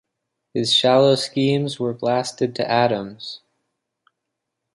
His shallow schemes were blasted to atoms.